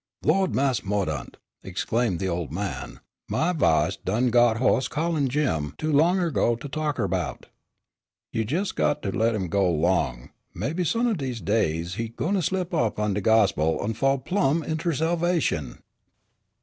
"Lawd, Mas' Mordaunt," exclaimed the old man, "my v'ice done got hoa'se callin' Jim, too long ergo to talk erbout. You jes' got to let him go 'long, maybe some o' dese days he gwine slip up on de gospel an' fall plum' inter salvation."